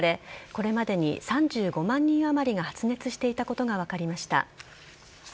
これまでに３５万人余りが発熱していたことが分かりました。